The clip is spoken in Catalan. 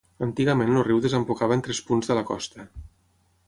Antigament el riu desembocava en tres punts de la costa.